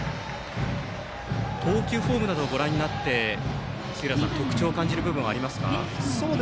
投球フォームなどをご覧になって特徴を感じる部分はありますか。